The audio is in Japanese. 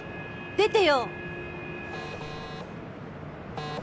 「出てよ！」